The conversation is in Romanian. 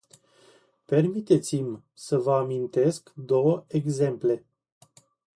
Permiteți-mi să vă amintesc două exemple.